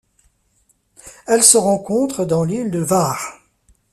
Elle se rencontre dans l'île de Hvar.